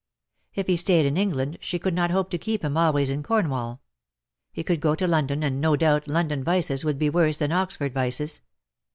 If he stayed in England she could not hope to keep him always in Cornwall. He could go to London, and, no doubt, London vices would be worse than Oxford vices.